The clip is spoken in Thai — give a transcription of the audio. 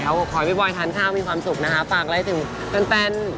ก็ขอให้พี่บอยทานข้าวมีความสุขนะคะฝากอะไรถึงเพื่อนเพื่อน